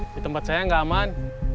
di tempat saya nggak aman